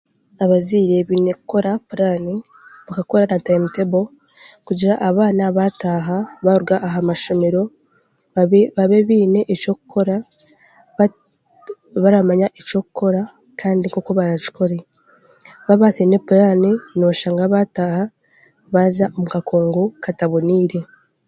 Abaziire beine kukora puraani bakakora na tayimutebo kugira abaana baataaha baaruga aha mashomero babe babebeine eky'okukora baramanya eky'okukora kandi nkoku baraakikore. Baaba bateine puraani n'oshanga baataaha baaza omu kakungu kataboniire.